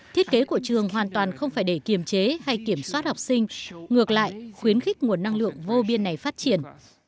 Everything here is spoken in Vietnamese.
thiết kế của trường hoàn toàn không phải để kiềm chế hay kiểm soát học sinh ngược lại khuyến khích nguồn năng lượng vô biên này phát triển